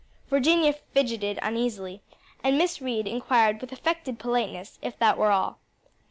'" Virginia fidgeted uneasily and Miss Reed inquired with affected politeness, if that were all.